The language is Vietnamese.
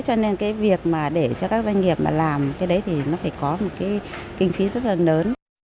cho nên cái việc mà để cho các doanh nghiệp mà làm cái đấy thì nó phải có một cái kinh phí rất là lớn